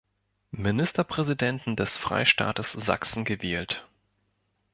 Ministerpräsidenten des Freistaates Sachsen gewählt.